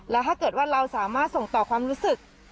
แล้วถ้าเกิดว่าเราสามารถส่งต่อความรู้สึก